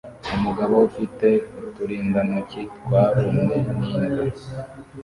Umugabo ufite uturindantoki twarumwe n'imbwa